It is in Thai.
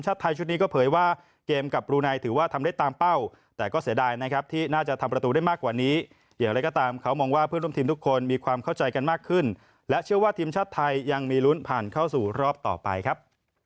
เชื่อว่าทีมชาติไทยยังมีรุนผ่านเข้าสู่รอบต่อไปครับ